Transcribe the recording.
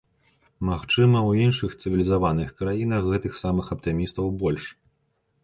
Магчыма, у іншых, цывілізаваных краінах гэтых самых аптымістаў больш.